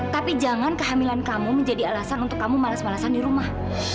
tapi jangan kehamilan kamu menjadi alasan untuk kamu males malesan di rumah